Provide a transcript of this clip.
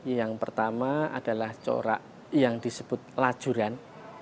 yang pertama adalah corak yang disebut lajuran